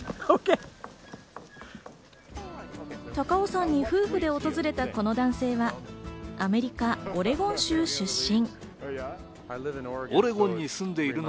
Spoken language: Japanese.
高尾山に夫婦で訪れたこの男性はアメリカ・オレゴン州出身。